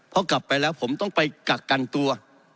พอกลับไปแล้วผมต้องไปกักกันตัว